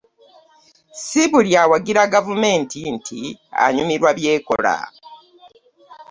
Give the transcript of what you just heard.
Si buli awagira gavumenti nti anyumirwa by'ekola.